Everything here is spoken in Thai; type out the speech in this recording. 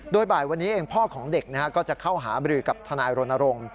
โดยบ่ายวันนี้เองพ่อของเด็กก็จะเข้าหาบรือกับทนายรณรงค์